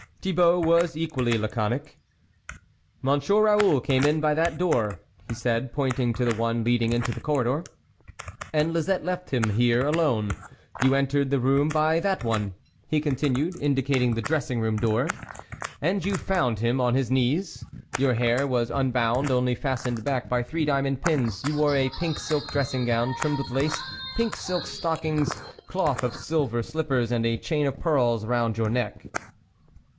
Thibault was equally laconic. " Monsieur Raoul came in by that door," he said, pointing to the one leading into the corridor, "and Lisette left him here alone. You entered the room by that one," he continued, indicating the dress ing room door, " and you found him on his knees. Your hair was unbound, only fastened back by three diamond pins, you wore a pink silk dressing gown, trimmed with lace, pink silk stockings, cloth of silver slippers and a chain of pearls round your neck."